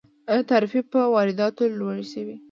آیا تعرفې په وارداتو لوړې شوي؟